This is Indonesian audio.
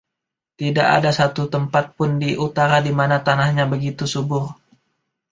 Tidak ada satu tempat pun di Utara dimana tanahnya begitu subur.